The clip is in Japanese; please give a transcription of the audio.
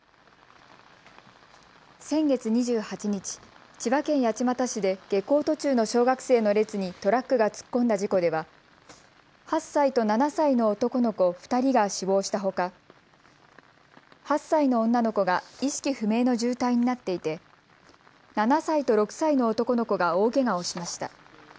先月２８日、千葉県八街市で下校途中の小学生の列にトラックが突っ込んだ事故では８歳と７歳の男の子２人が死亡したほか、８歳の女の子が意識不明の重体になっていて７歳と６歳の男の子が大けがをしました。